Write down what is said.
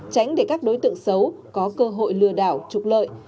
tránh để các đối tượng xấu có cơ hội lừa đảo trục lợi